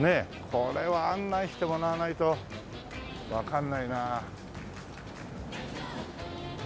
これは案内してもらわないとわかんないなあ。